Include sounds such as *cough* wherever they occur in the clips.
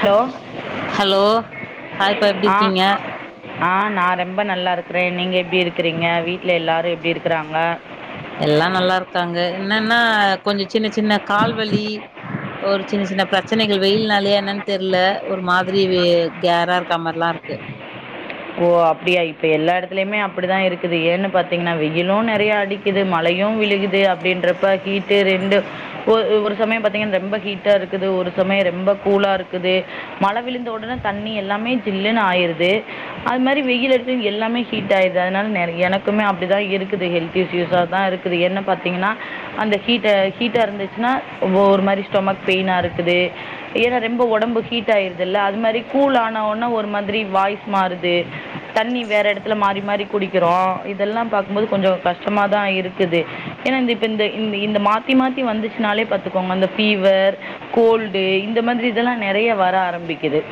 Hello hello ஹாய்ப்பா எப்டி ஆ இருக்கீங்க ஆ நா ரொம்ப நல்லா இருக் ரைன நீங்க எப்படி இருக்கிறீங்க வீடல எல்லாரும் எப்டி இருக்கிறாங்க எல்லா நல்லா இருக்காங்க என்னன்னா கொஞ்ச சின்ன சின்ன கால்வலி ஒரு சின்ன சின்ன பிரச்சனைகள் வெயில்னாலயா என்னன்னு தெர்ல ஒரு மாரி கேரா இருக்க மாரல்லா இருக்கு ஓ அப்டியா இப்ப எல்லா எடத்துலையுமே அப்டிதா இருக்குது ஏன்னு பாத்தீங்கன்னா வெயிலும் நெறைய அடிக்குது மழையும் விழுகுது அப்டின்றப்ப ஹீட்டு ரெண்டு ஒ ஒரு சமயோ பாத்தீங்கன்னா ரொம்ப ஹீட்டா இருக்குது ஒரு சமயோ ரொம்ப கூலா இருக்குது மழ விழுந்த உடனே தண்ணி எல்லாமே ஜில்லுன்னு ஆயிருது அது மாரி வெயில் அடிச்சது எல்லாமே ஹீட் ஆயிருது அதனால *unintelligible* எனக்குமே அப்டிதா இருக்குது ஹெல்த் இஸ்யூஸாதா இருக்குது என்ன பாத்தீங்கன்னா அந்த ஹீட்டு ஹீட்டா இருந்துச்சுன்னா ஒரு மாரி ஸ்டமக் பெயினா இருக்குது ஏன்னா ரெம்ப உடம்பு ஹீட் ஆயிருது இல்ல அது மாரி கூல் ஆன உடனே ஒரு மாதிரி வாய்ஸ் மாறுது தண்ணி வேற எடத்துல மாறி மாறி குடிக்கிறோ இதெல்லா பாக்கும்போது கொஞ்சோ கஷ்டமாதா இருக்குது ஏன்னா இந்த இப்ப இந்த இந்த மாத்தி மாத்தி வந்துச்சுனாலே பாத்துக்கோங்க இந்த ஃபீவர் கோல்டு இந்த மாதிரி இதெல்லா நெறைய வர ஆரம்பிக்குது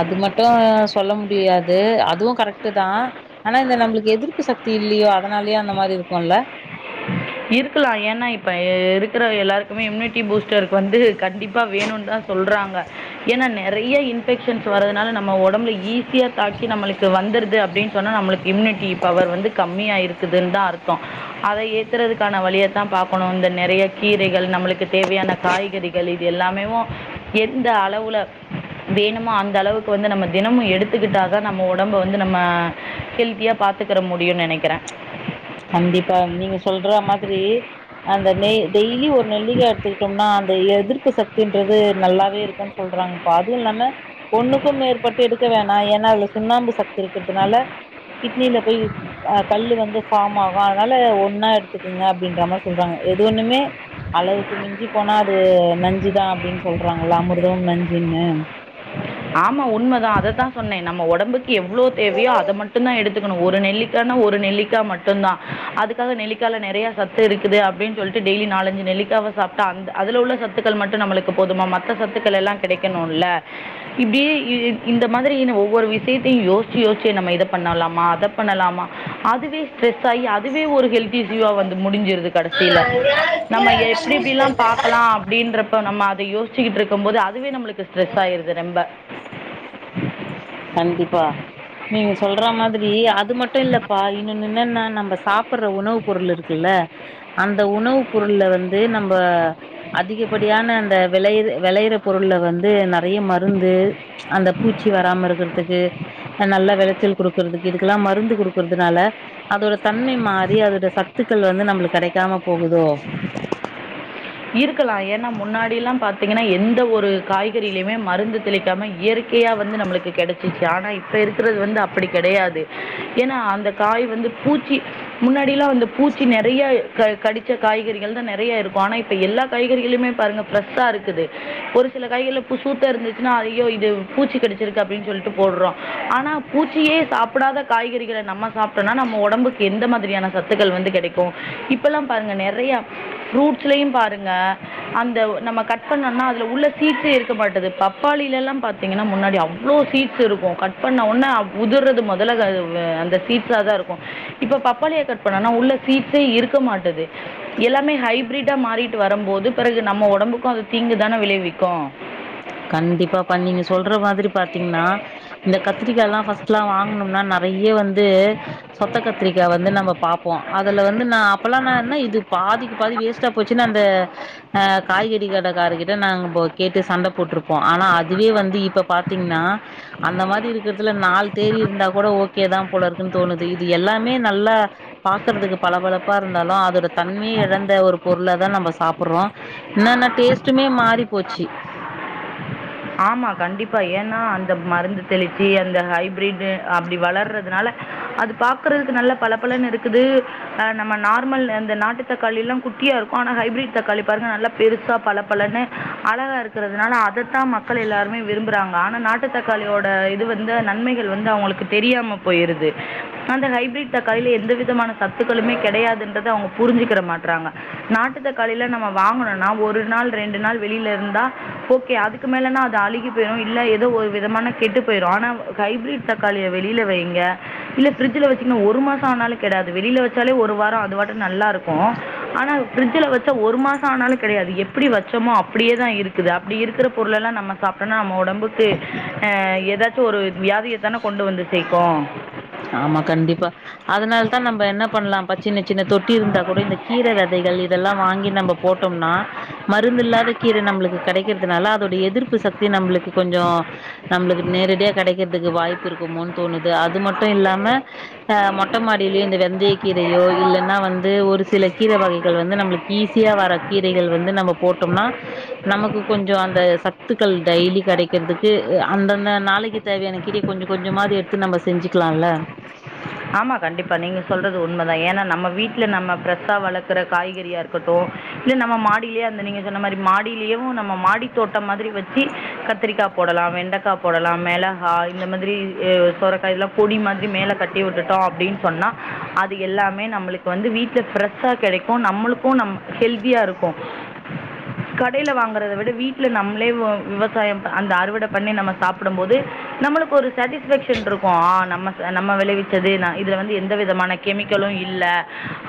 அது மட்டும் சொல்ல முடியாது அதுவும் கரெக்ட் தான் ஆனா இந்த நம்மளுக்கு எதிர்ப்பு சக்தி இல்லையோ அதனாலயே அந்த மாதிரி இருக்கும்ல இருக்கலா ஏன்னா இப்ப இருக்கிற எல்லாருக்குமே இம்யூனிட்டி பூஸ்டருக்கு வந்து கண்டிப்பா வேணும்னுதா சொல்றாங்க ஏன்னா நெறைய இன்ஃபெக்ஷன்ஸ் வர்துனால நம்ம ஒடம்புல ஈஸியா தாக்கி நம்மளுக்கு வந்துருது அப்டின்னு சொன்னா நம்மளுக்கு இம்யூனிட்டி பவர் வந்து கம்மியா இருக்குதுன்னுதா அர்த்தோ அத ஏத்துறதுக்கான வழியத்தான் பாக்கணும் இந்த நிறைய கீரைகள் நம்மளுக்கு தேவையான காய்கறிகள் இது எல்லாமேும் எந்த அளவுல வேணுமோ அந்த அளவுக்கு வந்து நம்ம தினமும் எடுத்துக்கிட்டாக நம்ம உடம்ப வந்து நம்ம ஹெல்த்தியா பாத்துக்கிற முடியும்னு நினைக்கிறேன் கண்டிப்பா நீங்க சொல்ற மாதிரி அந்த டெய்லி ஒரு நெல்லிக்கா எடுத்துக்கிட்டோம்னா எதிர்ப்பு சக்தின்றது நல்லாவே இருக்கும் சொல்றாங் பா அதுவும் இல்லாம ஒண்ணுக்கும் மேற்பட்டு எடுக்க வேணாம் ஏன்னா அதுல சுண்ணாம்பு சக்தி இருக்கிறதுனால கிட்னியில போய் கல் வந்து ஃபார்ம் ஆகு அதனால ஒன்னா எடுத்துக்குங்க அப்டின்ற மாரி சொல்றாங்க எது ஒண்ணுமே அளவுக்கு மிஞ்சி போனா அது நஞ்சுதா அப்டின்னு சொல்றாங்கல்ல அமிர்தமு நஞ்சுன்னு ஆமா உண்மதா அதத்தா சொன்னே நம்ம ஒடம்புக் எவ்வளவு தேவையோ அதை மட்டும் தான் எடுத்து த்துக்கணும் ஒரு நெல்லிக்காய்னா ஒரு நெல்லிக்காய் மட்டும தான் அதுக்காக நெல்லிக்காய்ல நறைய சத்து இருக்குது அப்டின்னு சொல்லிட்டு டெய்லி நாலஞ்சு நெல்லிக்காவை சாப்பிட்டா அந்த அதுல உள்ள சத்துக்கள் மட்டும் நம்மளுக்கு போதுமா மத்த சத்துக்கள் எல்லாம் கிடைக்கணும்ல்ல இப்டியே இ இந்த மாதிரி ஒவ்வொரு விஷயத்தையும் யோஸ்சி-யோஸ்சி நம்ம இதை பண்ணலாமா அத பண்ணலாமா அதுவே ஸ்ட்ரெஸ் சவி அதுவே ஒரு ஹெல்தி *unintelligible* கடைசியில நம்ம எப்டிப்டியெல்லாம் ஆ பாக்கலாம் அப்டின்றப்ப நம்ம அது இது யோசிக்கிட்டு இருக்கும் போது அதுவே நம்மளுக் *unintelligible* ம்ப கண்டிப்பா நீங்க சொல்ற மாதிரி அது மட்டும் இல்லப்பா இன்னொன்னு என்னன்னா நம்ம சாப்பட்ற உணவுப் பொருள் இருக்குல்ல அந்த உணவுப் பொருள்ல வந்து நம்ப அதிகப்படியான அந்த விளை வெளையற பொருள்ல வந்து நெறைய மருந்து அந்த பூச்சி வராம இருக்கு க்கறிறதுக்கு நல்ல வெளச்சல் குடுக்கறதுக்கு இதுக்கெல்லாம் மருந்து குடுக்கறதுனால அதோட தன்மை மாறி அதோட சத்துக்கள் வந்து நம்மளுக்கு கெடைக்காம போகுதோ இருக்கலாம் ஏன்னா முன்னாடிெல்லாம் பாத் த்தீங்கனா எந்த ஒரு காய்கறிலயுமே மருந்து தெளிக்காம இயற்கையா வந்து நம்மளுக்கு கெடைச்சிச்சு ஆனா இப்ப இருக்கிறது வந்து அப்டி கெடையாது ஏன்னா அந்த காய் வந்து பூச்சி முன்னாடியெல்லா அந்த பூச்சி நெறைய க கடிச்ச காய்கறிகள்தா நெறைய இருக்கும் ஆனா ப்ப எல்லா காய்கறிகளுமே பாருங்க ஃபிரெஷா இருக்குது ஒரு சில காய்கள்ல இப்ப சூத்த இருந்துச்சுன்னா அய்யோ இது பூச்சி கடிச்சிருக்கு அப்டின்னு சொல்ட்டு போடுறோம் ஆனா பூச்சியே சாப்பிடாத காய்கறிகள நம்ம சாப்டோம்னா நம்ம ஒடம்புக்கு எந்த மாதிரியான சத்துக்கள் வந்து கெடைக்கு இப்ப எல்லாம் பாருங்க நெறைய ஃப்ரூட் எப்யும் பாருங்க அந்த ஒரு கட் பண்ணா அதுல உள்ள சீட்ஸ்சே இருமாட்டகுது பப்பாளில முன்னாடி அவ்ளவு சீட்ஸ் இருக்கும் கட் பண்ணஉன்ன உதர்றது முதல ஹா அந்த சீட்ஸ்ஹாத இருக்கும் இப்ப பப்பாளிய கட் பண்ணா சீட்ஸ் இருக்க மாட்டது எல்லாமே ப்ரிடா மாறிட்டு வரும்போது பிறகு நம்ம ஒடம்புக்கும் அது தீங்குதான விளைவிக்கு கண்டிப்பாப்பா நீங்க சொல்ற மாதிரி பாத்தீங்னா இந்த கத்திரிக்கால்லா ஃபர்ஸ்ட்லா வாங்குனோம்னா ந றைய வந் இது சொத்த கத்திரிக்கா வந்து நம்ம பாப்போம் அது ஹலோ வந்து நா அப்பெல்லா நா என்ன இது பாதிக்கு பாதி வேஸ்டா போச் ச்சின்னு அந்த ஆ காய்கறி கடைக்காரர்கிட்ட நாங்க ப கேட்டு சண்ட புடிச் போட்ருப்போ ஆனா அதுவே வந்து இப்ப பாத்தீங்னா அந்த மாதிரி இருக்கறதுல நாலு தேறி இருந்தா கூட ஓகேதா போல இருக்குன்னு தோணுது இது எல்லாமே நல்லா பாக்குறதுக்கு பளபளப்பா இருந்தாலு அதோட தன்மைய இழந்த ஒரு பொருளதா நம்ம சாப்பட்றோ என்னன்னா டேஸ்ட்டுமே மாறிப் போச்சு ஆமா கண்டிப்பா ஏன்னா அந்த மருந்து தெளிச்சு அந்த ஹைபரிட்டு் அப்டி வளர்றதுனால அது பாக்குறதுக்கு நல்ல பல பலன் இருக்குது ஹா நம்ம நார்மல் அந்த நாட்டு தக்காளி எல்லாம் குட்டியா இருக்கும் ஆனா ஹைபிரிட் தக்காளி பாருங்க நல்ல பெருசா பல பலன்னு அழகா இருக்கிறதுனால அதத்தான் மக்கள் எல்லாருமே விரும்புறாங் ஆனா நாட்டு தக்காளியோட இது வந்து நன்மைகள் வந்து அவங்களுக்கு தெரியாம போயிருது அந்த ஹைபிரிட் தக்காளியில எந்த விதமான சத்துக்களுமே கிடையாதுன்றது அவங்க புரிஞ்சிக்கர மாட்றாங்க நாட்டு தக்காளியில நம்ம வாங்கனும்னா ஒரு நாள் ரெண்டு நாள் வெளியில இருந்தா ஓகே அதுக்கு அதுக்கு மேலனா அது அழுகிப் போயுரு இல்ல ஏதோ ஒரு விதமான கெட்டுப் போயுரு ஆனா ஹைபிரிட் தக்காளிய வெளில வைங்க இல்ல ஃபிரிட்ஜில வச்சீங்னா ஒரு மாசோ ஆனாலு கெடாது வெளில வச்சாலே ஒரு வாரோ அது பாட்டுக்கு நல்லா இருக்கு ஆனா ஃப்ரிட்ஜ்லா வச்சா ஒரு மாசோ ஆனாலு கெடாது எப்டி வச்சமோ அப்டியேதா இருக்குது அப்டி இருக்கிற பொருளயெல்லாம் நம்ம சாப்பிட்டோன நம்ம உடம் த்து *unintelligible* சோ ஒரு வியாதியைத்தான கொண்டு வந்து சேர்க்கோம் ஆமா கண்டிப்பா அதனாலதா நம்ப என்ன பண்லா ப சின்ன-சின்ன தொட்டி இருந்தா கூட இந்த கீரை விதைகள் இதெல்லா வாங்கி நம்ம போட்டோம்னா மருந்து இல்லாத கீரை நம்மளுக்கு கெடைக்கிறதுனால அதோட எதிர்ப்பு சக்தி நம்பளுக்கு கொஞ்சம் நம்பளுக்கு நேரடியா கெடைக்கிறதுக்கு வாய்ப்பு இருக்குமோன்னு தோணுது அது மட் மட்டும் இல்லாம ஹ மொட்ட மாடியிலயோ இந்த வெந்தய கீரையோ இல்லைன்னா வந்து ஒரு சில கீரை வகைகள் வந்து நம்மளுக்கு ஈஸியா வர கீரைகள் வந்து நம்ம போட்டோம்னா நமக்கு கொஞ்ச அந்த சத்துக்கள் டெய்லி கிடைக்கிறதுக்கு அந்தந்த நாளைக்கு தேவையான கீரைய கொஞ்சம் கொஞ்சமாவது எடுத்து நம்ம செஞ்சி க்கலால்ல ஆமா கண்டிப்பா நீங்க சொல்றது உண்மைதா ஏன்னா நம்ம வீட்ல நம்ம ஃபிரெஷா வளக்கற காய்கறியா இருக்கட்டு, இல்ல நம்ம மாடியிலேயே அந்த நீங்க சொன்ன மாரி மாடியிலயு நம்ம மாடித் தோட்டம் மாதிரி வச்சு கத்திரிக்கா போடலா வெண்டக்கா போடலா மெள ஆ இந்த மாதிரி *unintelligible* சுரைக்காய் எல்லாம் கொடி மாதிரி மேல கட் ட்டி விட்டுட்டோ அப்டின்னு சொன்னா அது எல்லாமே நம்மளுக்கு வந்து வீட்ல ஃபிரெஷா கெடைக்கு நம்மளுக்கும் நம் ஹெல்தியா இருக்கும் கடையில வாங்கறத விட வீட்ல நம்மளே வ விவசாயம் அந்த அறுவடை பண்ணி நம்ம சாப்டும் போது நம்மளுக்கு ஒரு சாடிஸ்ஃபேக்ஷன் இருக்கு ஆ நம்ம நம்ம விளைவிச் து இதல அந்து எந்த விதமான கெமிக்கலும் இல்ல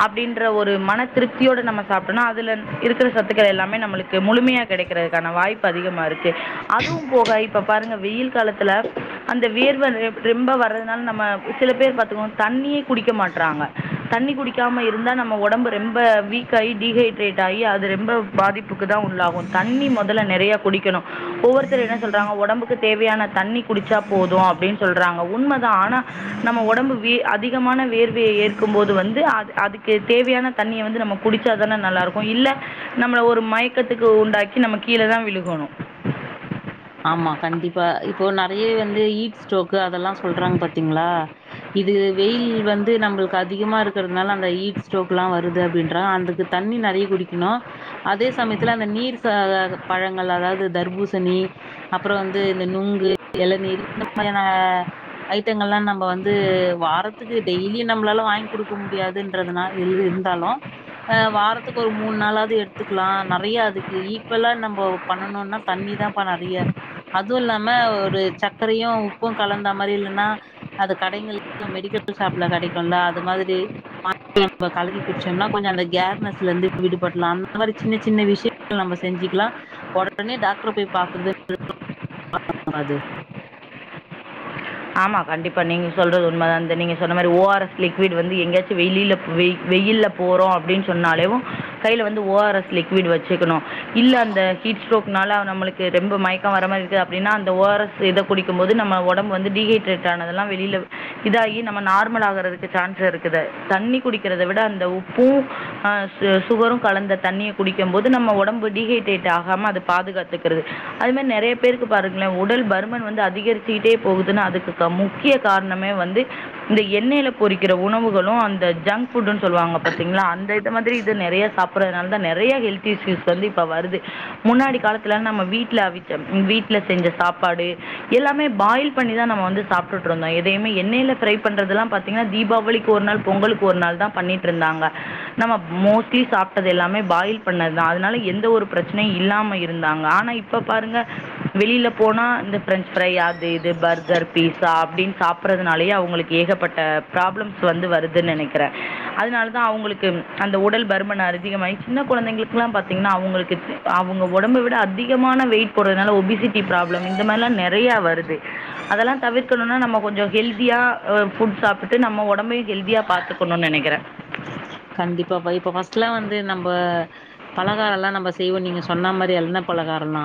அப்டின்ற ஒரு மன திருப்தியோடு நம்ம சாப்டோம்னா அதுல இருக்கிற சத்துக்கள் எல்லாமே நம்மளுக்கு முழுமையா கிடைக்கிறதுக்கான வாய்ப்பு அதிகமா இருக்கு கே அதுவும் போக இப் இப்ப பாருங்க வெயில் காலத்துல அந்த வியர்வ ரெ ரெம்ப வர்றதுனால நம்ம சில பேர் பாத்துக்கோ தண்ணியே குடிக்க மாட்டறாங்க தண்ணி குடிக்காம இருந்தா நம்ம உடம்பு ரொம்ப வீக் ஆகி டீஹைட்ரேட் ஆகி அது ரொம்ப பாதிப்புக்கு தான் உள்ளாகும் தண்ணி முதல்ல நிறைய குடிக்கணும் ஒவ்வொருத்தர் என்ன சொல்றாங்க உடம்புக்கு தேவையான தண்ணி குடிச்சா போதும் அப்படின்னு சொல்றாங்க உண்மைதான் ஆனா நம்ம உடம்பு வே அதிகமான வேர்வையை ஏற்கும் போது வந்து அ அதுக்கு தேவையான தண்ணியை வந்து நம்ம குடிச்சாதான நல்லா இருக்கும் இல்ல நம்மள ஒரு மயக்கத்துக்கு உண்டாக்கி நம்ம கீழேதான் விழுகணும் ஆமா கண்டிப்பா இப்போ நிறைய வந்து ஈட் ஸ்ட்ரோக்கு அதெல்லாம் சொல்றாங்க பாத்தீங்களா இது வெயில் வந்து நம்மளுக்கு அதிகமா இருக்கிறதுனால அந்த ஈட் ஸ்ட்ரோக் எல்லாம் வருது அப்படின்றாங்க அதுக்கு தண்ணி நிறைய குடிக்கணும் அதே சமயத்துல அந்த நீர் ச பழங்கள் அதாவது தர்பூசணி அப்புறம் வந்து இந்த நுங்கு எளநீர் இந்த மாறியான ஐட்டங்கள் எல்லாம் நம்ம வந்து வாரத்துக்கு டெய்லியி நம்மளால வாங்கி குடுக்க முடியாதுன்றதுனா இருந்தாலும் அஹ் வாரத்துக்கு ஒரு மூணு நாளாவது எடுத்துக்கலாம் நிறைய அதுக்கு ஈக்குவலா நம்ம பண்ணணும்னா தண்ணிதான் *unintelligible* அதுவு இல்லாம ஒரு சக்கரையு உப்பும் கலந்த மாரி இல்லன்னா அது கடைங்கள்ல மெடிக்கல் ஷாப்ல கெடைக்கும்ல அது மாதிரி *inaudible* கலக்கி குடிச்சோம்னா கொஞ்ச அந்த கேர்னெஸ்ல இருந்து விடுபடலா இந்த மாரி சின்ன சின்ன விஷயங்கள் நம்ம செஞ்சுக்கலா உடனே டாக்டர போய் பாக்கறது *inaudible* *inaudible* அது ஆமா கண்டிப்பா நீங்க சொல்றது உண்மை தான் அந்த நீங்க சொன்ன மாதிரி ஓஆர் எஸ் லிக்விட் வந்து எங்கயாச்ச வெளியிலய் வெயிலல போறோம் அப்படின்னு சொன்னாலேும் கையில வந்து ஓஆர்எஸ் லிக்விட் வச்சுக்கணும் இல்ல அந்த ஹீட் ஸ்டரோக் னால நம்மளுக்கு ரொம்ப மயக்கம் வர மாரி இருக்கு அப்டினா அந்த ஓ ஆர் எஸ் இத குடிக்கும் போது நம்ம ஒடம் அப்ப வந்து டீஹைட்ரேட் ஆனதெல்லா வெளில இதாயி நம்ம நார்மல் ஆகறதுக்கு சான்ஸ் இருக்குது தண்ணி குடிக்கறத விட அந்த உப்பும் ஆ சு சுகரும் கலந்த தண்ணிய குடிக்கும் போது நம்ம ஒடம்பு டீஹைட்ரேட் ஆகாம அது பாதுகாத்துக்கிறது அது மாரி நெறைய பேருக்கு பாருங்களே உடல் பருமன் வந்து அதிகரிச்சுக்கிட்டே போகுதுன்னு அதுக்கு முக்கிய காரணமே வந்து இந்த எண்ணெயில பொரிக்கிற உணவுகளும் அந்த ஜங்க் ஃபுடன்னு சொல்லுவாங்க பாத்தீங்களா அந்த இத மாதிரி இது நிறைய சாப்பிடுறதுனால தான் நிறைய ஹெல்த் இஸ்யூஸ் வந்து இப்ப வருது முன்னாடி காலத்துல நம்ம வீட்டுல அவிச்ச வீடல செஞ்ச சாப்பாடு எல்லாமே பாயில் *unintelligible* பண்ணிதா நம்ம வந்து சாப்ட்டுட்ருந்தோ எதையுமே எண்ணையில ஃரை பண்றது எல்லாம் பாத்தீங்கன்னா தீபாவளிக்கு ஒரு நாள் பொங்கலுக்கு ஒரு நாள்தா பண்ணிட்ருந்தாங்க நம்ம மோஸ்ட்லி சாப்ட்டது எல்லாமே பாயில் பண்ணதுதா அதனால எந்த ஒரு பிரச்சனையு இல்லாம இருந்தாங்க ஆனா இப்ப பாருங்க வெளியில போனா இந்த பிரெஞ் ஃப்ரை அது இது இது பர்கர் பீட்சா அப்டின்னு சாப்பறதுனாலயே அவங்களுக்கு ஏகப்பட்ட ப்ராப்ளம்ஸ் வந்து வருதுன்னு நெனைக்கிறே அதனாலதா அவங்களுக்கு அந்த உடல் பருமன் அதிகமாயி சின்ன கொழந்தைங்களுக்கல்லா பாத்தீங்கன்னா அவங்களுக்கு அவங்க ஒடம்ப விட அதிகமான வெயிட் போடுறதுனால ஓபிசிட்டி ப்ரோப்ளம் இந்த மாரிலா நெறைய வருது அதெல்லா தவிர்க்கணுன்னா நம்ம கொஞ்சோ ஹெல்தியா ஆ ஃபுட் சாப்ட்டு நம்ம ஒடம்பயு ஹெல்தியா பாத்துக்கணுன்னு நெனைக்கிறே கண்டிப்பாப்பா இப்ப ஃபஸ்ட்லா வந்து நம்ப பலகாரோ எல்லா நம்ப செய்வோ நீங்க சொன்ன மாரி எண்ணை பலகாரம்ன்லா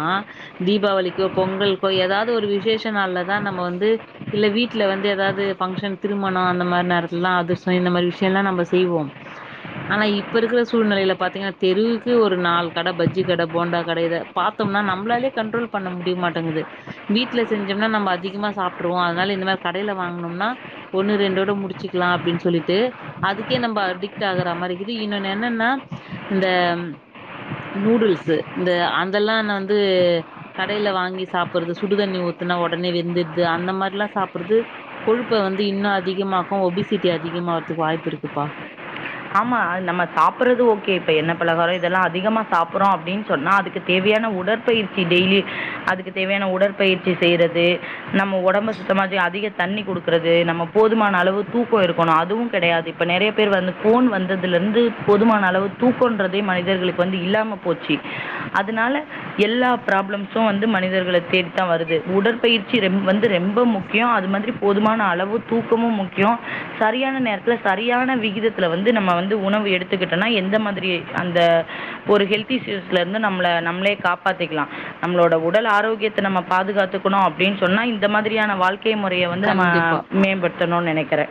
தீபாவளிக்கோ பொங்கல்க்கோ ஏதாவது ஒரு விசேஷ் *unintelligible* னாலதா நம்ம வந்து இல்ல வீட்ல வந்து ஏதாவது பங்ஷன் திருமணோ அந்த மாரி நேரத்துலதா அதிரசோ இந்த மாரி விஷயம்லா நம்ம செய்வோ ஆனா இப்ப இருக்கிற சூழ்நிலையில பாத்தீங்கன்னா தெருவுக்கு ஒரு நாலு கடை பஜ்ஜி கடை போண்டா கடை இத பாத்தோம்னா நம்மளாலயே கண்ட்ரோல் பண்ண முடியமாட்டேங்குது வீட்ல செஞ்சோம்னா நம்ம அதிகமா சாப்ட்ருவோ அதனால இந்த மாரி கடைல வாங்குனோம்னா ஒண்ணு ரெண்டோட முடிச்சுக்கலா அப்டின்னு சொல்லிட்டு அதுக்கே நம்ப அடிக் ட் ஆகுற மாரி இது இன்னொன்னு என்னன்னா இந்த நூடுல்ஸ் இந்த அதெல்லா நா வந்து கடைல வாங்கி சாப்பிடுறது சுடுதண்ணி ஊத்துனா ஒடனே வெந்துட்து அந்த மாரில்லா சாப்டறது கொழுப்ப வந்து இன்னு அதிகமாக்கு ஒபிசிட்டி அதிகமாறதுக்கு வாய்ப்பு இருக்குப்பா ஆமா நம்ம சாப்படுறது ஓகே இப்ப எண்ணை பலகாரோ இதெல்லா அதிகமா சாப்பட்றோ அப்டின்னு சொன்னா அதுக்கு தேவையான உடற்பயிற்சி டெய்லி அதுக்கு தேவையான உடற்பயிற்சி செய்யறது நம்ம ஒடம்ப சுத்தமாக்க அதிக தண்ணி குடுக்கறது நம்ம போதுமான அளவு தூக்கோ இருக்கணு அதுவு கெடையாது இப்ப நெறைய பேர் வந்து ஃபோன் வந்ததுலர்ந்து போதுமான அளவு தூக்கன்றதே மனிதர்களுக்கு வந்து இல்லாம போச்சு அதனால எல்லா பராப்ளம்ஸு வந்து மனிதர்கள தேடித்தா வருது உடற்பயிற்சி ரம் வந்து ரெம்ப முக்கியம் அது மாதிரி போதுமான அளவு தூக்கமு முக்கியோ சரியான நேரத்துல சரியான விகித வந்து நம்ம வந்து உணவு எடுத்துக்கிட்டோனா எந்த மாதிரி அந்த ஒரு ஹெல்த் இூஸ்ல இருந்து நம்மளை நம்மளே காப்பாத்திக்கலாம் நம்மளோட உடல் ஆரோக்கியத்தை நம்ம பாதுகாத்துக்கணும் அப்படின்னு சொன்னா இந்த மாதிரியான வாழ்க்க முக்கிய முறைய வந்து நம்ம கண்டிப்பா மேம்படுத்தணும்னு நினைக் திற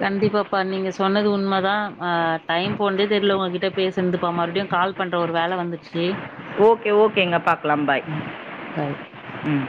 கண்டிப்பாப்பா நீங்க சொன்னது உண்மை தான் ஹ டைம் போன்தே தெர்ல உங்ககிட்ட பேசந்துப்பா மறுபடியும் கால் பண்ற ஒரு வேல வந்து ஓகே ஓகேங்க பாக்கலாம் பாய் ம். பாய். உம்